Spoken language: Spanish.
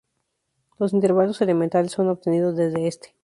Los intervalos elementales son obtenidos desde este.